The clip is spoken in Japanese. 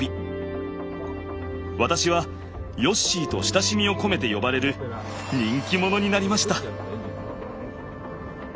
私はヨッシーと親しみを込めて呼ばれる人気者になりました。